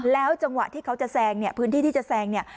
แล้วจังหวะที่เขาจะแซงเนี่ยพื้นที่ที่จะแซงเนี่ย